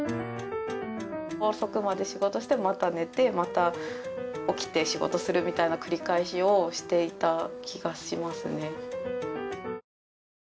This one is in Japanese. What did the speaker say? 遅くまで仕事してまた寝てまた起きて仕事するみたいな繰り返しをしていた気がしますね。